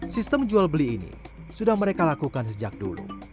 sistem jual beli ini sudah mereka lakukan sejak dulu